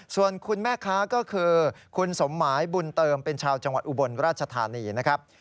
ส่วนคุณแม่ค้าก็คือคุณสมหมายบุญเติมเป็นชาวจังหวัดอุบลราชธานีนะครับ